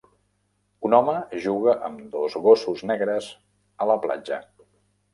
un home juga amb dos gossos negres a la platja